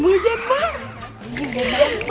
มือเย็นมาก